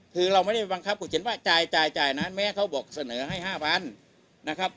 คือเราไม่ได้บังคับผู้เจ็นว่าจ่ายจ่ายจ่ายนะแม้เขาบอกเสนอให้ห้าพันนะครับ